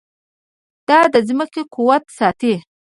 دا د ځمکې قوت ساتي.